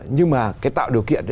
nhưng mà cái tạo điều kiện